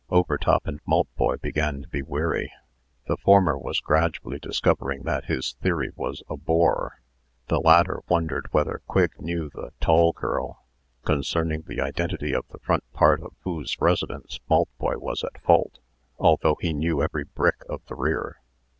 Overtop and Maltboy began to be weary. The former was gradually discovering that his theory was a bore. The latter wondered whether Quigg knew the tall girl, concerning the identity of the front part of whose residence Maltboy was at fault, although he knew every brick of the rear.